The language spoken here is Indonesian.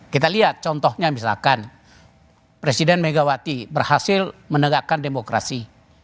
kita lihat contohnya misalkan presiden megawati berhasil menegakkan demokrasi